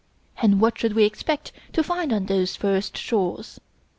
And what should we expect to find on those first shores?